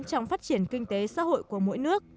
trong phát triển kinh tế xã hội của mỗi nước